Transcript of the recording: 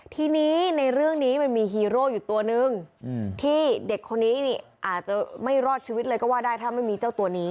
ทีนี้ในเรื่องนี้มันมีฮีโร่อยู่ตัวนึงที่เด็กคนนี้นี่อาจจะไม่รอดชีวิตเลยก็ว่าได้ถ้าไม่มีเจ้าตัวนี้